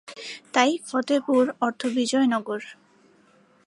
তাই ফতেপুর অর্থ বিজয় নগর।